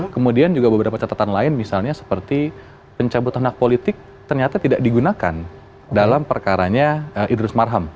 kemudian juga beberapa catatan lain misalnya seperti pencabutan hak politik ternyata tidak digunakan dalam perkaranya idrus marham